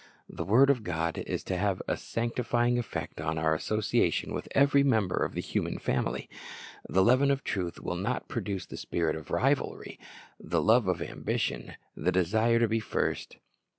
The word of God is to have a sancti fying effect on oar association with every member of the human family. The leaven of truth will not produce the spirit of rivalry, the love of ambition, the desire to be first.